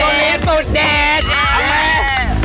เอาไหม